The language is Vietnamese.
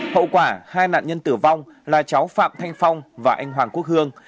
hậu quả hai nạn nhân tử vong là cháu phạm thanh phong và anh hoàng quốc hương